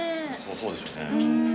そうでしょうね。